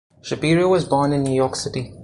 Shapiro was born in New York City.